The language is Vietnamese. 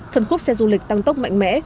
phần khúc xe du lịch tăng tốc mạnh mẽ